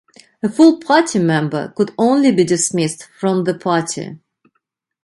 A full Party member could only be dismissed from the Party.